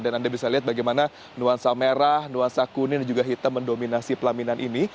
dan anda bisa lihat bagaimana nuansa merah nuansa kuning dan juga hitam mendominasi pelaminan ini